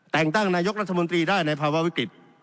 แต่งตั้งนายกรัฐมนตรีได้ในภาวะวิกฤต